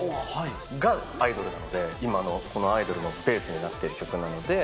が、アイドルなんで、今のこのアイドルのベースになってる曲なので。